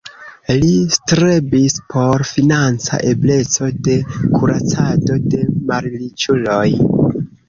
Li strebis por financa ebleco de kuracado de malriĉuloj.